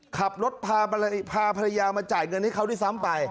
ขับรถพาภรรยามาจ่ายเงินให้เขาด้วยซ้ำไป